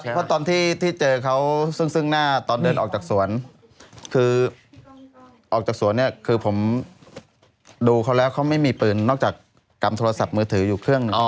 เพราะตอนที่เจอเขาซึ่งหน้าตอนเดินออกจากสวนคือออกจากสวนเนี่ยคือผมดูเขาแล้วเขาไม่มีปืนนอกจากกำโทรศัพท์มือถืออยู่เครื่องหนึ่ง